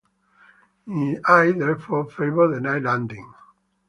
I therefore, favor the night landing.